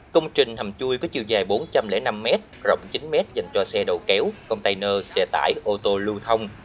công trình hầm chui có chiều dài bốn trăm linh năm m rộng chín m dành cho xe đầu kéo container xe tải ô tô lưu thông